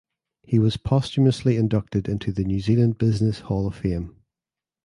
He was posthumously inducted into the New Zealand Business Hall of Fame.